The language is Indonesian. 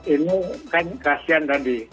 ini kan kasihan tadi